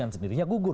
yang sendirinya gugur